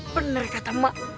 bener kata mak